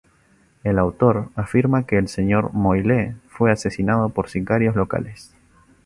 El autor afirma que el Sr. Moyle fue asesinado por sicarios locales.